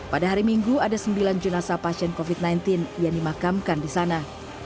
pada hari minggu ada sembilan jenazah pasien covid sembilan belas yang dimakamkan di sana